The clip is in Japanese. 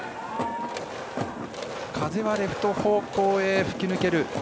風はレフト方向へ吹き抜ける。